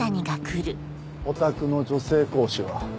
おたくの女性講師は。